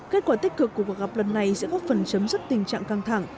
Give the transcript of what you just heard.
kết quả tích cực của cuộc gặp lần này sẽ góp phần chấm dứt tình trạng căng thẳng